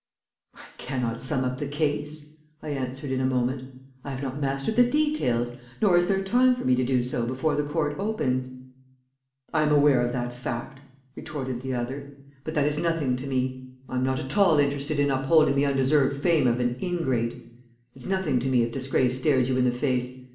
"'I cannot sum up the case,' I answered in a moment. 'I have not mastered the details, nor is there time for me to do so before the court opens.' "'I am aware of that fact,' retorted the other. 'But that is nothing to me. I am not at all interested in upholding the undeserved fame of an ingrate. It's nothing to me if disgrace stares you in the face.